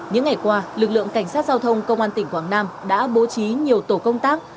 những ngày qua lực lượng cảnh sát giao thông công an tỉnh quảng nam đã bố trí nhiều tổ công tác